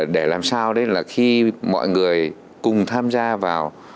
để làm sao khi mọi người cùng tham gia vào